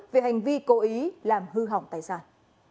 về hành vi cố ý làm hư hỏng tài sản